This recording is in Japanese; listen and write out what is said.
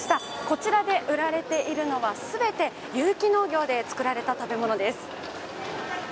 こちらで売られているのは、全て有機農業で作られた食べ物です。